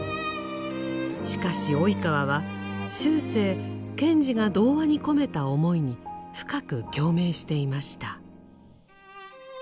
しかし及川は終生賢治が童話に込めた思いに深く共鳴していました。